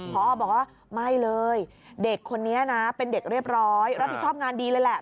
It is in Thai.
พอบอกว่าไม่เลยเด็กคนนี้นะเป็นเด็กเรียบร้อยรับผิดชอบงานดีเลยแหละ